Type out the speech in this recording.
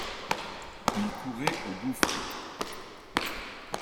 Ils couraient au gouffre.